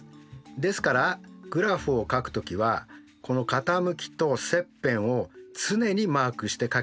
ですからグラフをかくときはこの傾きと切片を常にマークしてかけばよい。